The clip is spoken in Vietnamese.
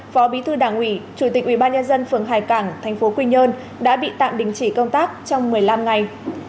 phó bí thư đảng ủy chủ tịch ubnd phường hải cảng tp quy nhơn đã bị tạm đình chỉ công tác trong một mươi năm ngày